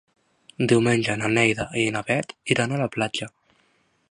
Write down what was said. Diumenge na Neida i na Bet iran a la platja.